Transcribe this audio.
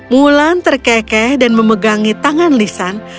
mulan terkekeh dan memegangi tangan lisan